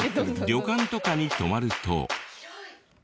旅館とかに泊まると。